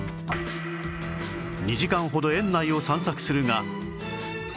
２時間ほど園内を散策するが